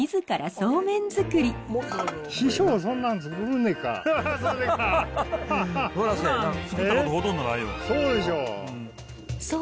そうでしょう。